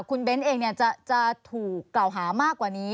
คุณเบ้นเองจะถูกกล่าวหามากกว่านี้